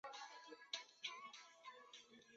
光果细苞虫实为藜科虫实属下的一个变种。